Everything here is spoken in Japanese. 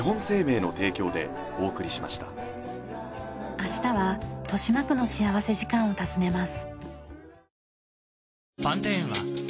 明日は豊島区の幸福時間を訪ねます。